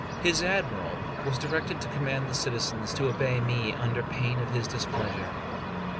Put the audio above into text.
His Admiral was directed to command the citizens to obey me under pain of his displeasure.